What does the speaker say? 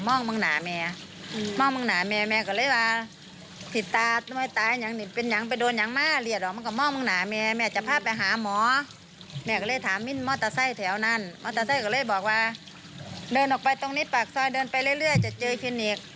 ออกไปตรงนี้ปากซอยเดินไปเรื่อยจะเจอฟินิกส์